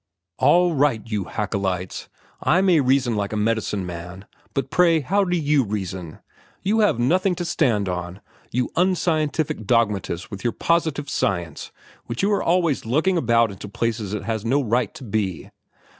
"All right, you Haeckelites, I may reason like a medicine man, but, pray, how do you reason? You have nothing to stand on, you unscientific dogmatists with your positive science which you are always lugging about into places it has no right to be.